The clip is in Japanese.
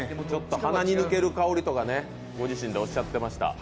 鼻に抜ける香りとかご自身でおっしゃってました。